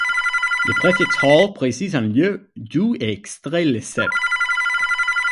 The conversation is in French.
Le préfixe Hall précise un lieu d'où est extrait le sel.